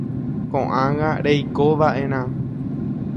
Ko'ág̃a reikova'erã.